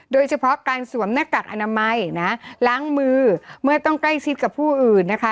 โดยเฉพาะการสวมหน้ากากอนามัยนะล้างมือเมื่อต้องใกล้ชิดกับผู้อื่นนะคะ